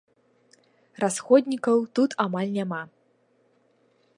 Расходнікаў тут амаль няма.